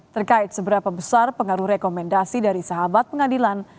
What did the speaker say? terkait seberapa besar pengaruh rekomendasi dari sahabat pengadilan